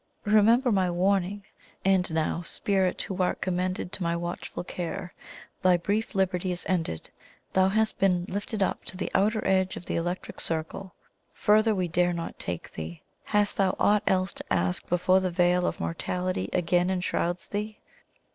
Remember my warning! And now, Spirit who art commended to my watchful care, thy brief liberty is ended. Thou hast been lifted up to the outer edge of the Electric Circle, further we dare not take thee. Hast thou aught else to ask before the veil of mortality again enshrouds thee?"